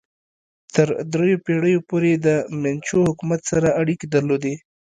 تر دریو پیړیو پورې د منچو حکومت سره اړیکې درلودې.